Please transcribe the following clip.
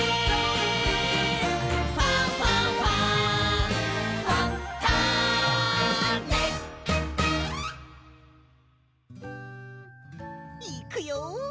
「ファンファンファン」いくよ